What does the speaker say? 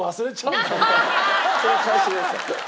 それ返してください。